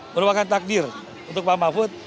merupakan takdir untuk pak mahfud